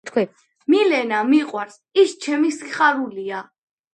მილენა მიყვარს ის ჩემი სიხარულია